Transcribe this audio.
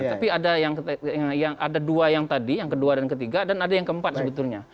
tapi ada yang ada dua yang tadi yang kedua dan ketiga dan ada yang keempat sebetulnya